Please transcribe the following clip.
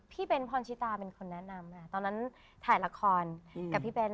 เบ้นพรชิตาเป็นคนแนะนำค่ะตอนนั้นถ่ายละครกับพี่เบ้น